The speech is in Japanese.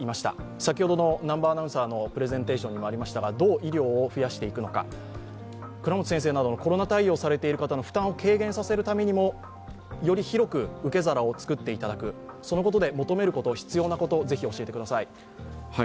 先ほどの南波アナウンサーのプレゼンテーションにもありましたが、どう医療を増やしていくのか、倉持先生などのコロナ対応をしている方の負担を軽減させるためにもより広く受け皿を作っていただくことで求めること、必要なこと、ぜひ教えてください。